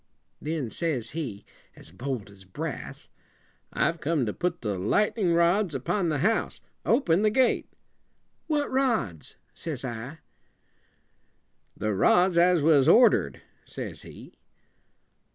Then says he, as bold as brass, "I've come to put the light en ing rods upon the house. Open the gate." "What rods?" says I. "The rods as was order ed," says he.